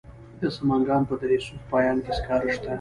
د سمنګان په دره صوف پاین کې سکاره شته.